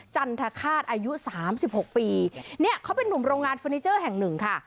จันทคาตอายุสามสิบหกปีเนี่ยเขาเป็นนุ่มโรงงานเฟอร์นิเจอร์แห่งหนึ่งค่ะ